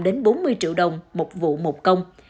đến bốn mươi triệu đồng một vụ một công